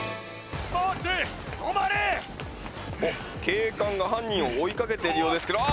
警官が犯人を追いかけているようですけどあ